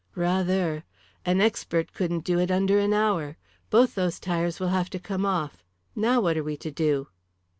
"Rather. An expert couldn't do it under an hour. Both those tyres will have to come off. Now what are we to do?"